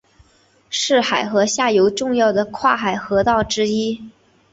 是海河下游重要的跨海河通道之一。